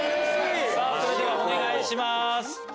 それではお願いします。